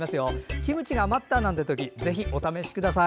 キムチが余ったなんていう時ぜひお試しください。